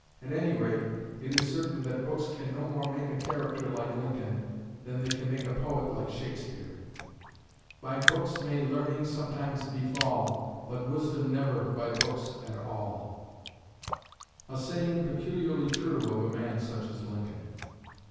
At any rate, it is certain that books can no more make a character like Lincoln than they can make a poet like Shakespeare. "By books may Learning sometimes befall, But Wisdom never by books at all," a saying peculiarly true of a man such as Lincoln.